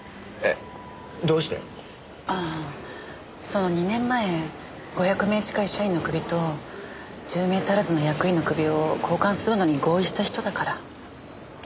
その２年前５００名近い社員のクビと１０名足らずの役員のクビを交換するのに合意した人だから。